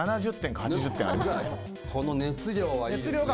この熱量はいいですね。